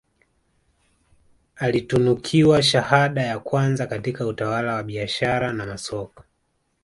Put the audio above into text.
Alitunukiwa shahada ya kwanza katika utawala wa biashara na masoko